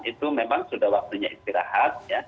itu memang sudah waktunya istirahat